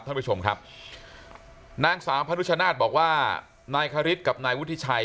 ท่านผู้ชมครับนางสาวพนุชนาธิ์บอกว่านายคริสกับนายวุฒิชัย